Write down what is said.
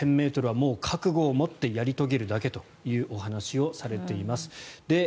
１０００ｍはもう覚悟を持ってやり遂げるだけというお話をされています。